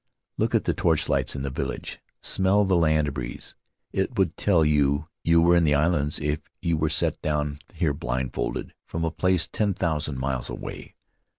Look at the torchlights in the village; smell the land breeze — it would tell you you were in the islands if you were set down here blindfold from a place ten thou sand miles away.